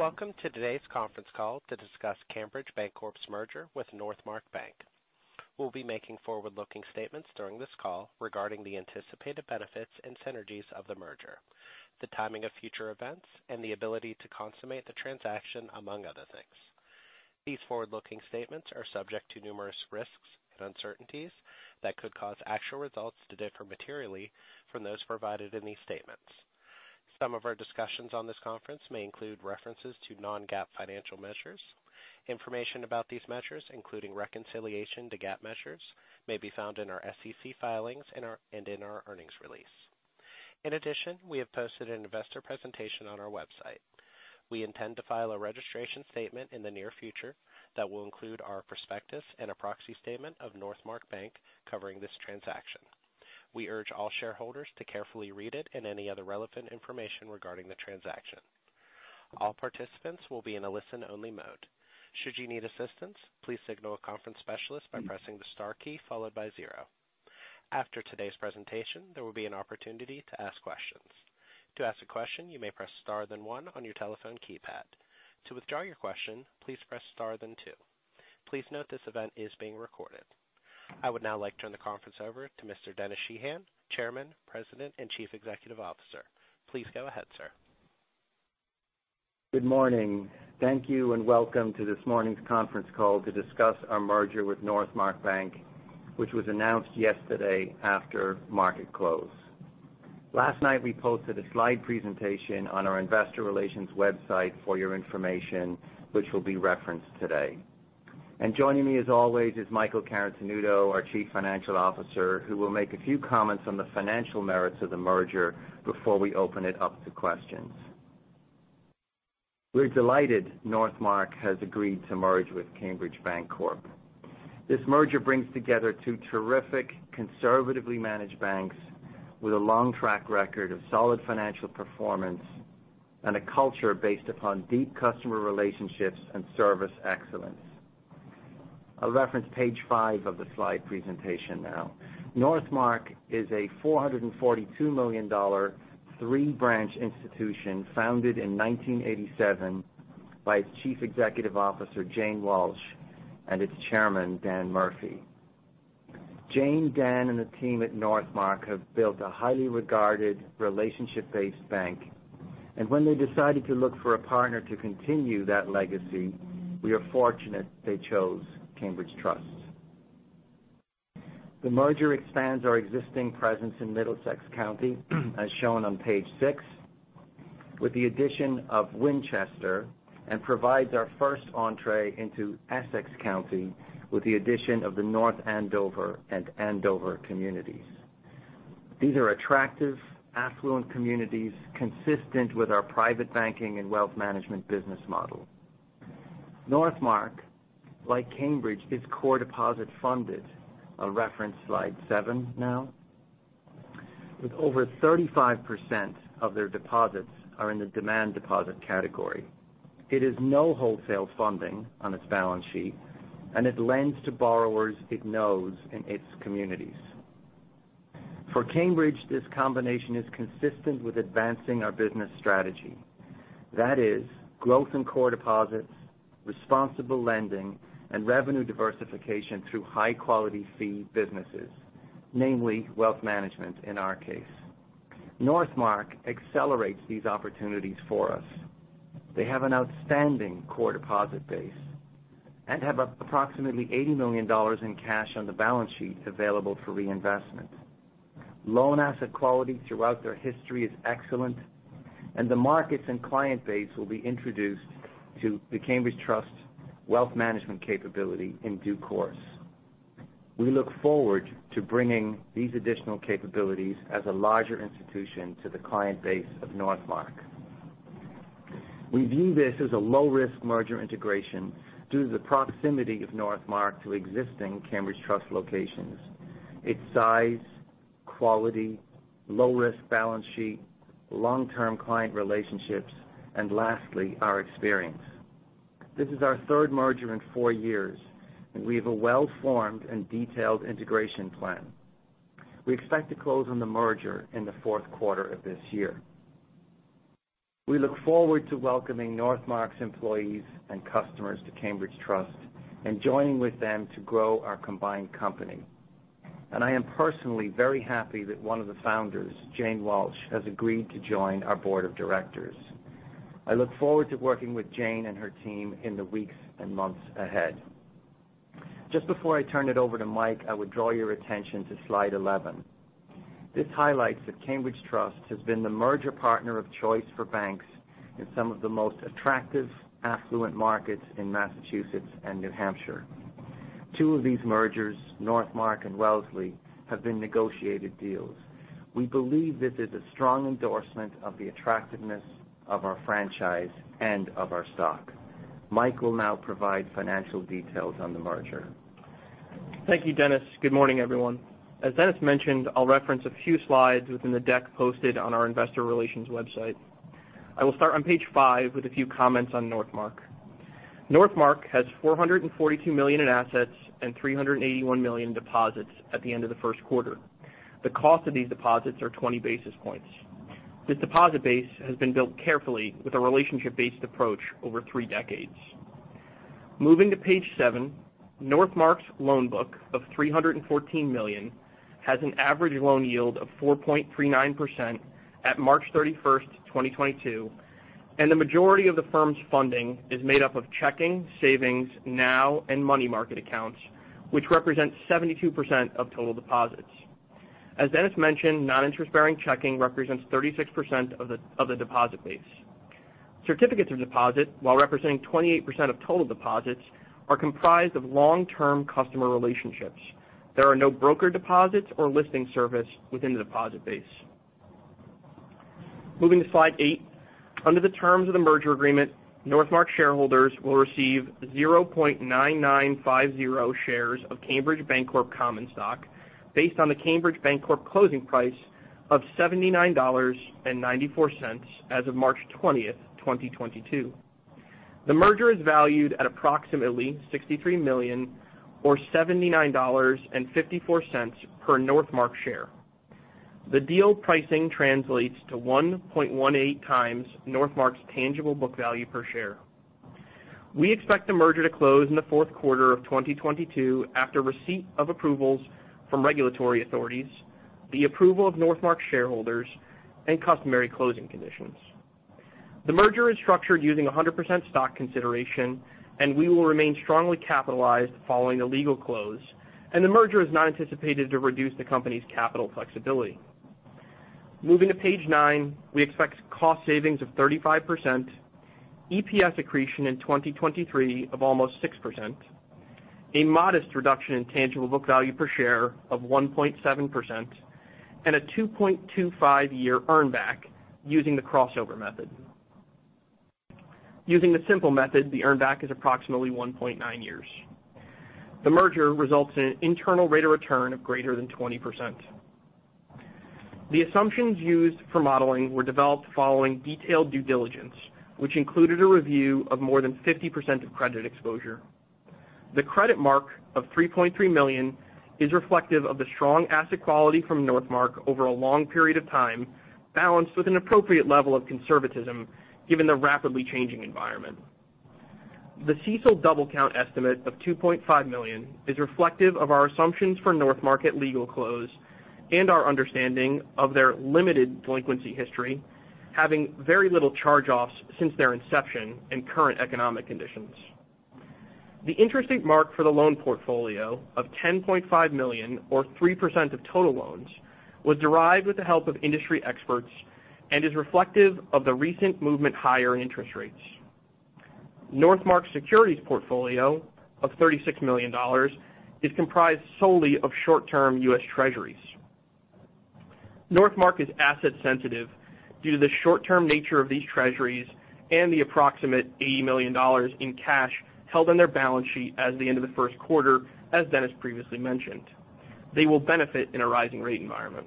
Welcome to today's conference call to discuss Cambridge Bancorp's merger with Northmark Bank. We'll be making forward-looking statements during this call regarding the anticipated benefits and synergies of the merger, the timing of future events, and the ability to consummate the transaction, among other things. These forward-looking statements are subject to numerous risks and uncertainties that could cause actual results to differ materially from those provided in these statements. Some of our discussions on this conference may include references to non-GAAP financial measures. Information about these measures, including reconciliation to GAAP measures, may be found in our SEC filings and in our earnings release. In addition, we have posted an investor presentation on our website. We intend to file a registration statement in the near future that will include our prospectus and a proxy statement of Northmark Bank covering this transaction. We urge all shareholders to carefully read it and any other relevant information regarding the transaction. All participants will be in a listen-only mode. Should you need assistance, please signal a conference specialist by pressing the star key followed by zero. After today's presentation, there will be an opportunity to ask questions. To ask a question, you may press star then one on your telephone keypad. To withdraw your question, please press star then two. Please note this event is being recorded. I would now like to turn the conference over to Mr. Denis Sheahan, Chairman, President, and Chief Executive Officer. Please go ahead, sir. Good morning. Thank you, and welcome to this morning's conference call to discuss our merger with Northmark Bank, which was announced yesterday after market close. Last night, we posted a slide presentation on our investor relations website for your information, which will be referenced today. Joining me, as always, is Michael Carotenuto, our Chief Financial Officer, who will make a few comments on the financial merits of the merger before we open it up to questions. We're delighted Northmark has agreed to merge with Cambridge Bancorp. This merger brings together two terrific, conservatively managed banks with a long track record of solid financial performance and a culture based upon deep customer relationships and service excellence. I'll reference page five of the slide presentation now. Northmark is a $442 million, three-branch institution founded in 1987 by its Chief Executive Officer, Jane Walsh, and its Chairman, Dan Murphy. Jane, Dan, and the team at Northmark have built a highly regarded relationship-based bank. When they decided to look for a partner to continue that legacy, we are fortunate they chose Cambridge Trust. The merger expands our existing presence in Middlesex County, as shown on page six, with the addition of Winchester, and provides our first entry into Essex County with the addition of the North Andover and Andover communities. These are attractive, affluent communities consistent with our private banking and wealth management business model. Northmark, like Cambridge, is core deposit funded. I'll reference slide seven now. With over 35% of their deposits are in the demand deposit category. It has no wholesale funding on its balance sheet, and it lends to borrowers it knows in its communities. For Cambridge, this combination is consistent with advancing our business strategy. That is growth in core deposits, responsible lending, and revenue diversification through high-quality fee businesses, namely wealth management, in our case. Northmark accelerates these opportunities for us. They have an outstanding core deposit base and have approximately $80 million in cash on the balance sheet available for reinvestment. Loan asset quality throughout their history is excellent, and the markets and client base will be introduced to the Cambridge Trust Wealth Management capability in due course. We look forward to bringing these additional capabilities as a larger institution to the client base of Northmark. We view this as a low-risk merger integration due to the proximity of Northmark to existing Cambridge Trust locations, its size, quality, low-risk balance sheet, long-term client relationships, and lastly, our experience. This is our third merger in four years, and we have a well-formed and detailed integration plan. We expect to close on the merger in the fourth quarter of this year. We look forward to welcoming Northmark's employees and customers to Cambridge Trust and joining with them to grow our combined company. I am personally very happy that one of the founders, Jane Walsh, has agreed to join our board of directors. I look forward to working with Jane and her team in the weeks and months ahead. Just before I turn it over to Mike, I would draw your attention to slide 11. This highlights that Cambridge Trust has been the merger partner of choice for banks in some of the most attractive affluent markets in Massachusetts and New Hampshire. Two of these mergers, Northmark and Wellesley, have been negotiated deals. We believe this is a strong endorsement of the attractiveness of our franchise and of our stock. Mike will now provide financial details on the merger. Thank you, Denis. Good morning, everyone. As Denis mentioned, I'll reference a few slides within the deck posted on our investor relations website. I will start on page five with a few comments on Northmark. Northmark has $442 million in assets and $381 million in deposits at the end of the first quarter. The cost of these deposits are 20 basis points. This deposit base has been built carefully with a relationship-based approach over three decades. Moving to page seven, Northmark's loan book of $314 million has an average loan yield of 4.39% at March 31st, 2022, and the majority of the firm's funding is made up of checking, savings, NOW, and money market accounts, which represents 72% of total deposits. As Denis mentioned, non-interest-bearing checking represents 36% of the deposit base. Certificates of deposit, while representing 28% of total deposits, are comprised of long-term customer relationships. There are no broker deposits or listing service within the deposit base. Moving to slide eight. Under the terms of the merger agreement, Northmark shareholders will receive 0.9950 shares of Cambridge Bancorp common stock based on the Cambridge Bancorp closing price of $79.94 as of March 20th, 2022. The merger is valued at approximately $63 million or $79.54 per Northmark share. The deal pricing translates to 1.18x Northmark's tangible book value per share. We expect the merger to close in the fourth quarter of 2022 after receipt of approvals from regulatory authorities, the approval of Northmark shareholders, and customary closing conditions. The merger is structured using 100% stock consideration, and we will remain strongly capitalized following the legal close, and the merger is not anticipated to reduce the company's capital flexibility. Moving to page nine, we expect cost savings of 35%, EPS accretion in 2023 of almost 6%, a modest reduction in tangible book value per share of 1.7%, and a 2.25-year earn back using the crossover method. Using the simple method, the earn back is approximately 1.9 years. The merger results in an internal rate of return of greater than 20%. The assumptions used for modeling were developed following detailed due diligence, which included a review of more than 50% of credit exposure. The credit mark of $3.3 million is reflective of the strong asset quality from Northmark over a long period of time, balanced with an appropriate level of conservatism given the rapidly changing environment. The CECL double count estimate of $2.5 million is reflective of our assumptions for Northmark legal close and our understanding of their limited delinquency history, having very little charge-offs since their inception in current economic conditions. The interest rate mark for the loan portfolio of $10.5 million or 3% of total loans was derived with the help of industry experts and is reflective of the recent movement higher interest rates. Northmark's securities portfolio of $36 million is comprised solely of short-term U.S. Treasuries. Northmark is asset sensitive due to the short-term nature of these Treasuries and the approximate $80 million in cash held on their balance sheet at the end of the first quarter, as Denis previously mentioned. They will benefit in a rising rate environment.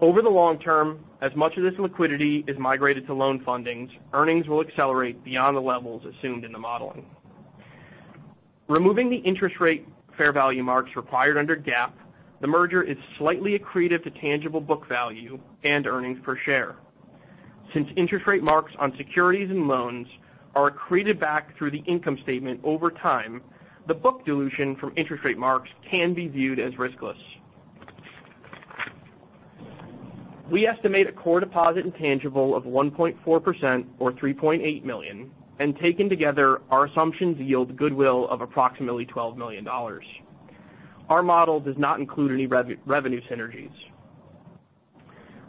Over the long term, as much of this liquidity is migrated to loan fundings, earnings will accelerate beyond the levels assumed in the modeling. Removing the interest rate fair value marks required under GAAP, the merger is slightly accretive to tangible book value and earnings per share. Since interest rate marks on securities and loans are accreted back through the income statement over time, the book dilution from interest rate marks can be viewed as riskless. We estimate a core deposit intangible of 1.4% or $3.8 million, and taken together, our assumptions yield goodwill of approximately $12 million. Our model does not include any revenue synergies.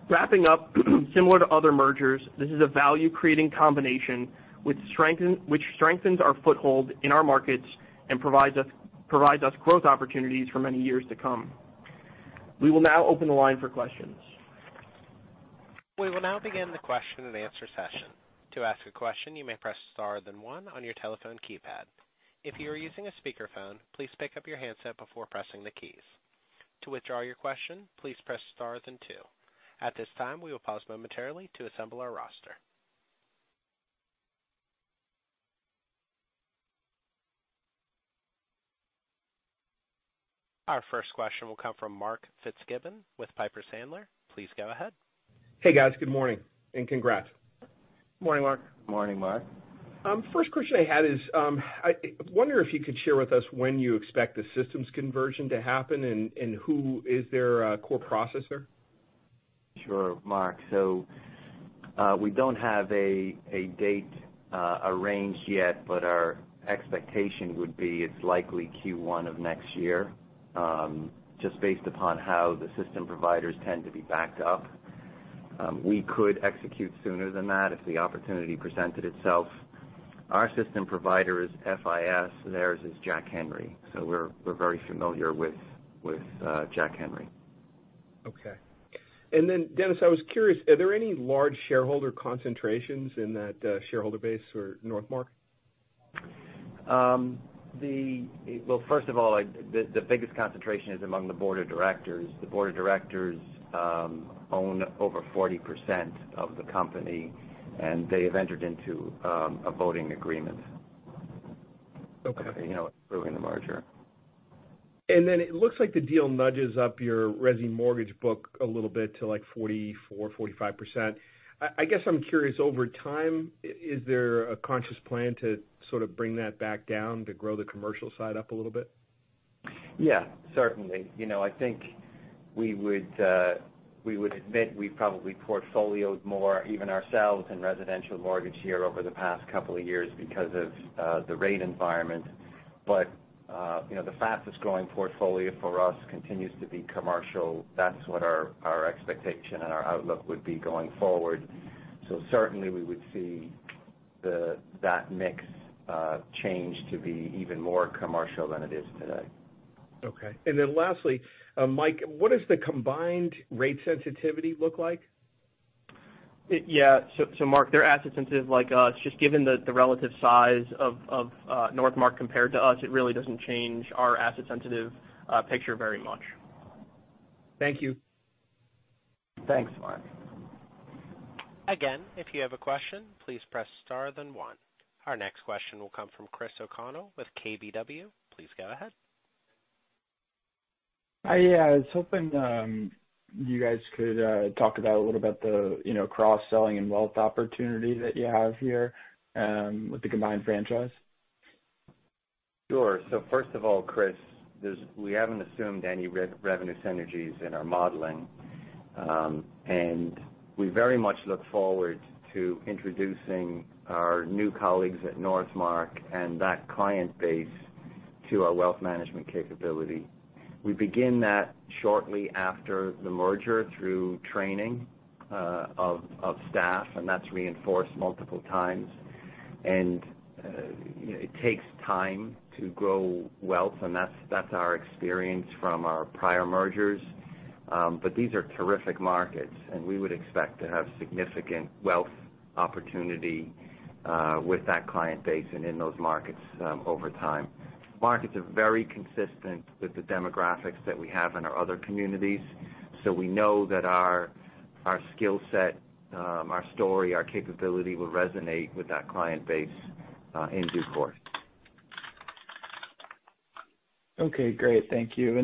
Wrapping up, similar to other mergers, this is a value-creating combination which strengthens our foothold in our markets and provides us growth opportunities for many years to come. We will now open the line for questions. We will now begin the question and answer session. To ask a question, you may press star then one on your telephone keypad. If you are using a speakerphone, please pick up your handset before pressing the keys. To withdraw your question, please press star then two. At this time, we will pause momentarily to assemble our roster. Our first question will come from Mark Fitzgibbon with Piper Sandler. Please go ahead. Hey, guys. Good morning and congrats. Good morning, Mark. Good morning, Mark. First question I had is, I wonder if you could share with us when you expect the systems conversion to happen and who is their core processor? Sure, Mark. We don't have a date arranged yet, but our expectation would be it's likely Q1 of next year, just based upon how the system providers tend to be backed up. We could execute sooner than that if the opportunity presented itself. Our system provider is FIS. Theirs is Jack Henry. We're very familiar with Jack Henry. Okay. Denis, I was curious, are there any large shareholder concentrations in that shareholder base for Northmark? First of all, the biggest concentration is among the board of directors. The board of directors own over 40% of the company, and they have entered into a voting agreement. Okay. You know, approving the merger. It looks like the deal nudges up your resi mortgage book a little bit to, like, 44%-45%. I guess I'm curious, over time, is there a conscious plan to sort of bring that back down to grow the commercial side up a little bit? Yeah, certainly. You know, I think we would admit we probably portfolioed more, even ourselves, in residential mortgage here over the past couple of years because of the rate environment. You know, the fastest growing portfolio for us continues to be commercial. That's what our expectation and our outlook would be going forward. Certainly we would see that mix change to be even more commercial than it is today. Okay. Lastly, Mike, what does the combined rate sensitivity look like? Mark, they're asset sensitive like us, just given the relative size of Northmark compared to us, it really doesn't change our asset sensitive picture very much. Thank you. Thanks, Mark. Again, if you have a question, please press star then one. Our next question will come from Christopher O'Connell with KBW. Please go ahead. I was hoping you guys could talk about a little about the, you know, cross-selling and wealth opportunity that you have here with the combined franchise. Sure. First of all, Chris, we haven't assumed any revenue synergies in our modeling. We very much look forward to introducing our new colleagues at Northmark and that client base to our wealth management capability. We begin that shortly after the merger through training of staff, and that's reinforced multiple times. You know, it takes time to grow wealth, and that's our experience from our prior mergers. These are terrific markets, and we would expect to have significant wealth opportunity with that client base and in those markets over time. Markets are very consistent with the demographics that we have in our other communities, so we know that our skill set, our story, our capability will resonate with that client base in due course. Okay, great. Thank you.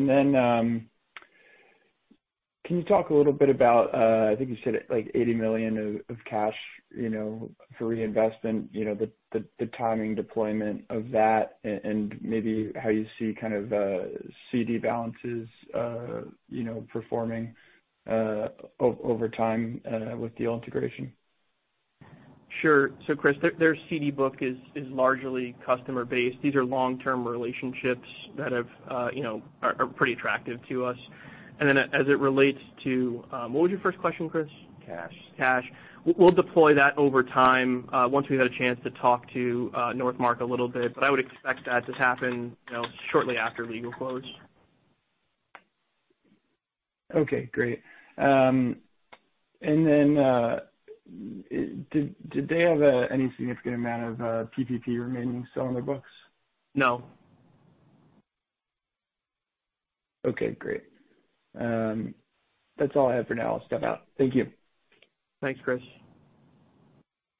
Can you talk a little bit about, I think you said, like, $80 million of cash, you know, for reinvestment, you know, the timing deployment of that and maybe how you see kind of CD balances, you know, performing over time with the integration? Sure. Chris, their CD book is largely customer-based. These are long-term relationships that are pretty attractive to us. Then as it relates to, what was your first question, Chris? Cash. Cash. We'll deploy that over time, once we've had a chance to talk to Northmark a little bit. I would expect that to happen, you know, shortly after legal close. Okay, great. Did they have any significant amount of PPP remaining still on their books? No. Okay, great. That's all I have for now. I'll step out. Thank you. Thanks, Chris.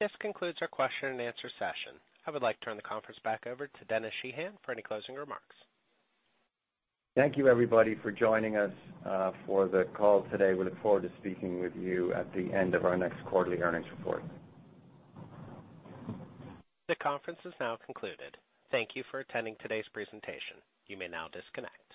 This concludes our question and answer session. I would like to turn the conference back over to Denis Sheahan for any closing remarks. Thank you, everybody, for joining us, for the call today. We look forward to speaking with you at the end of our next quarterly earnings report. The conference has now concluded. Thank you for attending today's presentation. You may now disconnect.